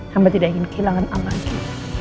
kamu tidak ingin kehilangan anak anak kamu